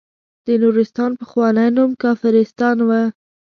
د نورستان پخوانی نوم کافرستان وه.